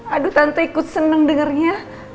aduh tante ikut seneng dengernya